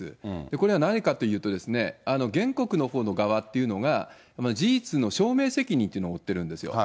これが何かというと、原告のほうの側っていうのが、事実の証明責任っていうのを負ってるんですよ。